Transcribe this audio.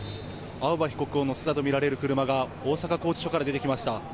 青葉被告を乗せたとみられる車が大阪拘置所から出てきました。